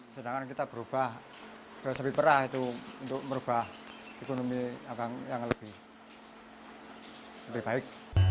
sedangkan kita berubah berapa sapi perah itu untuk merubah ekonomi agak lebih baik